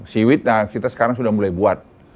siwit nah kita sekarang sudah mulai buat